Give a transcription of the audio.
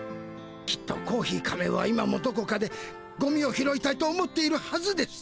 きっとコーヒー仮面は今もどこかでゴミを拾いたいと思っているはずです。